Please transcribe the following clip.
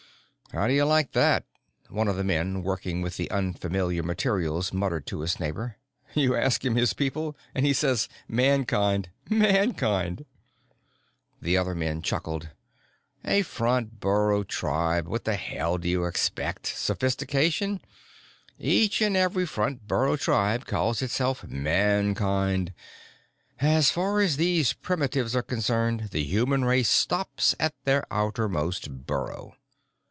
"How do you like that?" one of the men working with the unfamiliar materials muttered to his neighbor. "You ask him his people, and he says, 'Mankind.' Mankind!" The other man chuckled. "A front burrow tribe. What the hell do you expect sophistication? Each and every front burrow tribe calls itself Mankind. As far as these primitives are concerned, the human race stops at their outermost burrow.